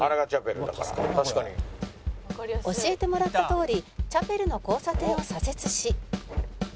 「教えてもらったとおりチャペルの交差点を左折し」